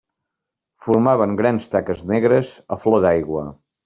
Formaven grans taques negres a flor d'aigua.